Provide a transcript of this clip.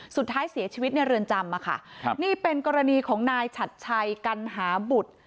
สุดท้ายเสียชีวิตในเรือนจำอ่ะค่ะครับนี่เป็นกรณีของนายฉัดชัยกัณหาบุตร